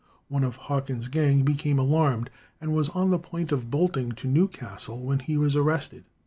One of Hawkins's gang became alarmed, and was on the point of bolting to Newcastle when he was arrested.